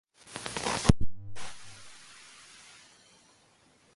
奥乃格总是留恋于父母的原乡瑞士。